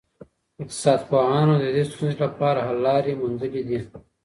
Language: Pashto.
اقتصاد پوهانو د دې ستونزي لپاره حل لاري موندلي دي.